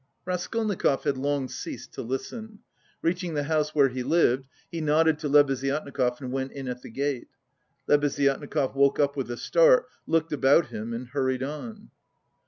Raskolnikov had long ceased to listen. Reaching the house where he lived, he nodded to Lebeziatnikov and went in at the gate. Lebeziatnikov woke up with a start, looked about him and hurried on.